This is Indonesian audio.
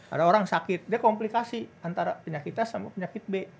ada orang sakit dia komplikasi antara penyakit b